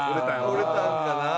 折れたんかな。